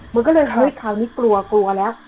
มันก็เลยเฮ้ยเขานี้กลัวแล้ว